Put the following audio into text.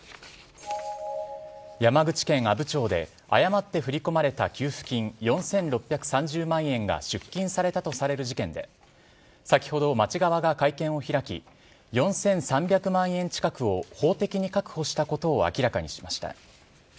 山口県阿武町で、誤って振り込まれた給付金４６３０万円が出金されたとされる事件で、先ほど、町側が会見を開き、４３００万円近くを法的に確保したことを明らかにしました。